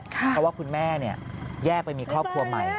เพราะว่าคุณแม่แยกไปมีครอบครัวใหม่